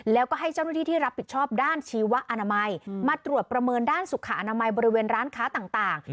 แล้วก็ให้เจ้าหน้าที่ที่รับผิดชอบด้านชีวอนามัยมาตรวจประเมินด้านสุขอนามัยบริเวณร้านค้าต่าง